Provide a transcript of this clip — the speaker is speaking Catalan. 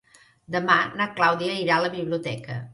Demà na Clàudia irà a la biblioteca.